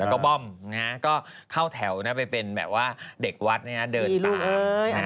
แล้วก็บ้อมก็เข้าแถวไปเป็นแบบว่าเด็กวัดเดินตาม